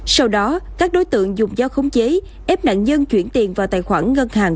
sau đó các đối tượng dùng do khống giấy ép nạn nhân chuyển tiền vào tài khoản ngân hàng